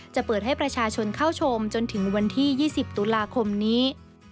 จะเปิดให้ประชาชนเข้าชมจนถึงวันที่๒๐ตุลาคมนี้